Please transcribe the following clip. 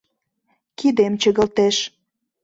Кидем чыгылтеш.